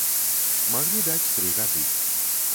Маглі даць тры гады.